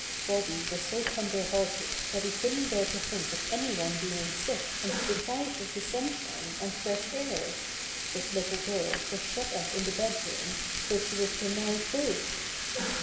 Bobby was so tender hearted that he couldn't bear to think of any one being sick and deprived of the sunshine and fresh air. This little girl was shut up in the bed room so she was denied both.